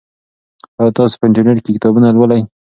آیا تاسو په انټرنیټ کې کتابونه لولئ؟